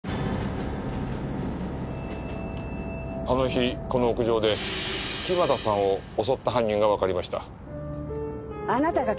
あの日この屋上で木俣さんを襲った犯人がわかりました。